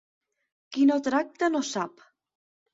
Qui no tracta, no sap.